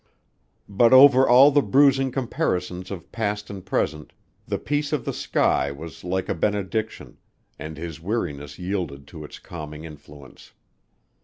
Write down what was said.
But over all the bruising comparisons of past and present, the peace of the sky was like a benediction, and his weariness yielded to its calming influence.